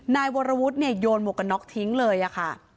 นายวรวุฒิเนี่ยโยนหมวกกันน็อกทิ้งเลยค่ะ